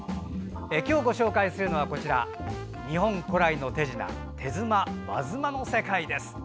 今日ご紹介するのは日本古来の手品手妻、和妻の世界です。